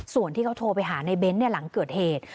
ส่วนที่เขาโทรไปหาในเบ้นหลังเกิดเหตุ